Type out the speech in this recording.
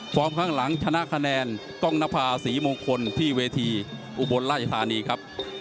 ข้างหลังชนะคะแนนกล้องนภาษีมงคลที่เวทีอุบลราชธานีครับ